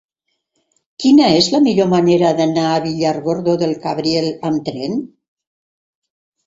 Quina és la millor manera d'anar a Villargordo del Cabriel amb tren?